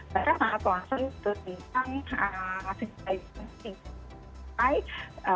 karena sangat wajar untuk bisa